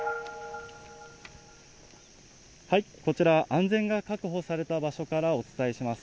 こちら、安全が確保された場所からお伝えします。